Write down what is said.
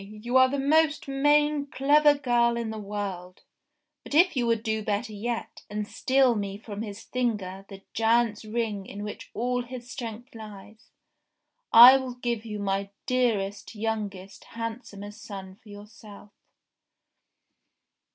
You are the most main clever girl in the world ; but if you would do better yet, and steal me from his finger the giant's ring in which all his strength lies, I will give you my dearest, youngest, handsomest son for yourself."